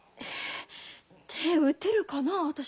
手打てるかな私。